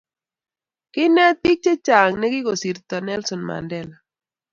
kiinget biik chechang nekikosirto Nelson Mandela